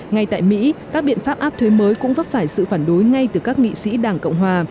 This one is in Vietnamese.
ngay tại mỹ các biện pháp áp thuế mới cũng vấp phải sự phản đối ngay từ các nghị sĩ đảng cộng hòa